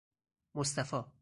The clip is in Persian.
مصطفی